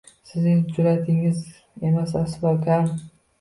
Sizning jur’atingiz emas aslo kam